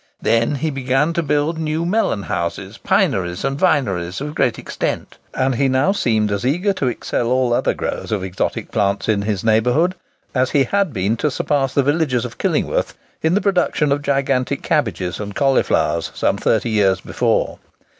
Then he began to build new melon houses, pineries, and vineries, of great extent; and he now seemed as eager to excel all other growers of exotic plants in his neighbourhood, as he had been to surpass the villagers of Killingworth in the production of gigantic cabbages and cauliflowers some thirty years before.